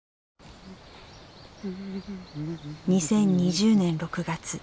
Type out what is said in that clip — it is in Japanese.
２０２０年６月。